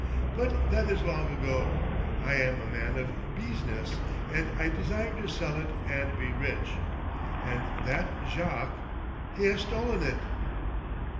But that is long ago. I am a man of beesness, and I desired to sell it and be rich. And that Jacques — he has stolen it